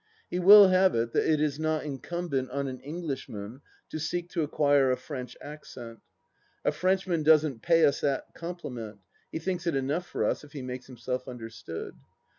He wUl have it that it is not incumbent on an Englishman to seek to acquire a French accent. A Frenchman doesn't pay us that compliment ; he thinks it enough for us if he makes himself understood.